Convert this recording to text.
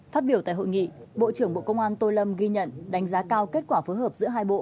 phát biểu tại hội nghị bộ trưởng bộ công an tô lâm ghi nhận đánh giá cao kết quả phối hợp giữa hai bộ